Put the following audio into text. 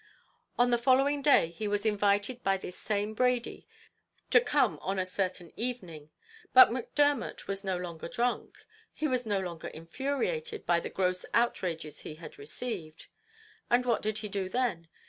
"On the following day he was invited by this same Brady to come on a certain evening; but Macdermot was no longer drunk; he was no longer infuriated by the gross outrages he had received; and what did he do then?